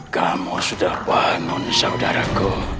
kamu sudah bangun saudaraku